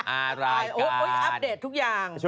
อ้าวรายการ